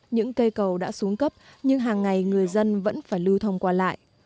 những cây cầu đã xuống cấp nhưng hàng ngày người dân vẫn phải lưu thông qua lại